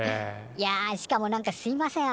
いやしかも何かすいません